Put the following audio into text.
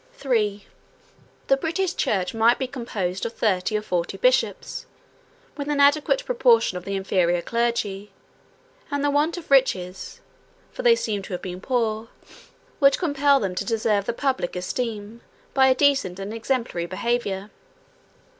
III. The British church might be composed of thirty or forty bishops, 187 with an adequate proportion of the inferior clergy; and the want of riches (for they seem to have been poor 188) would compel them to deserve the public esteem, by a decent and exemplary behavior.